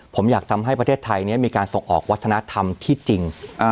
ผมอยากทำให้ประเทศไทยมีการส่งออกวัฒนธรรมที่จริง